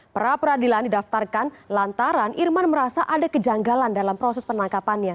pra peradilan didaftarkan lantaran irman merasa ada kejanggalan dalam proses penangkapannya